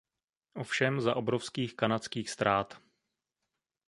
Ovšem za obrovských kanadských ztrát.